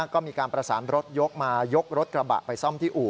ก็มีการประสานรถยกมายกรถกระบะไปซ่อมที่อู่